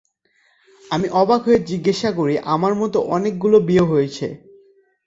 আমি অবাক হয়ে জিজ্ঞাসা করি - আমার তো অনেক গুলো বিয় হয়েছে।